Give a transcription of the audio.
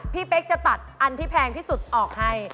เป๊กจะตัดอันที่แพงที่สุดออกให้